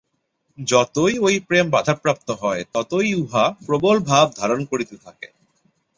যতই ঐ প্রেম বাধাপ্রাপ্ত হয়, ততই উহা প্রবল ভাব ধারণ করিতে থাকে।